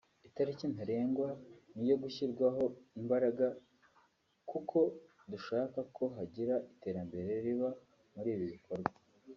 itariki ntarengwa ni iyo gushyirwamo imbaraga kuko dushaka ko hagira iterambere riba muri ibi bikorwa